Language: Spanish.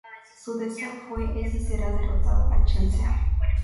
Su deseo fue, es y será derrotar a Chelsea.